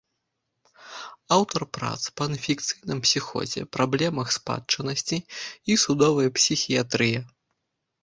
Аўтар прац па інфекцыйным псіхозе, праблемах спадчыннасці і судовай псіхіятрыі.